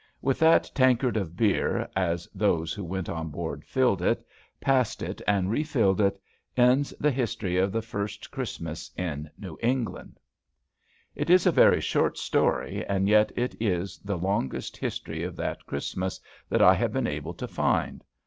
With that tankard of beer as those who went on board filled it, passed it, and refilled it ends the history of the first Christmas in New England. It is a very short story, and yet it is the longest history of that Christmas that I have been able to find.